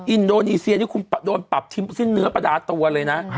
อินโดนีเซียนี่คุณโดนปรับทิ้มสิ้นเนื้อประดาตัวเลยนะ